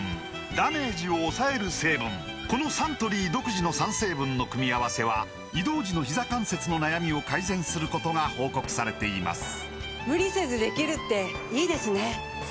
このサントリー独自の３成分の組み合わせは移動時のひざ関節の悩みを改善することが報告されています